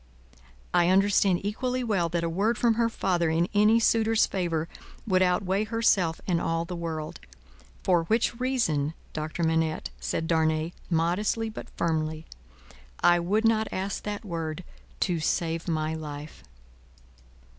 "I understand equally well, that a word from her father in any suitor's favour, would outweigh herself and all the world. For which reason, Doctor Manette," said Darnay, modestly but firmly, "I would not ask that word, to save my life."